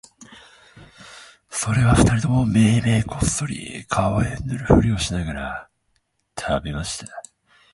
それは二人ともめいめいこっそり顔へ塗るふりをしながら喰べました